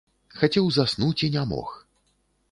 Хацеў заснуць і не мог.